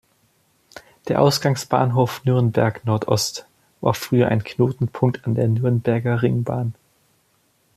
Der Ausgangsbahnhof Nürnberg Nordost war früher ein Knotenpunkt an der Nürnberger Ringbahn.